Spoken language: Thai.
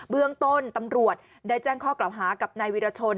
เบื้องต้นตำรวจได้แจ้งข้อกล่าวหากับนายวิรชน